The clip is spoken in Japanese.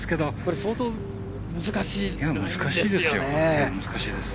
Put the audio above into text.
相当、難しいですよね。